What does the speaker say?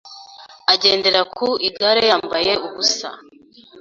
agendera ku igare yambaye ubusa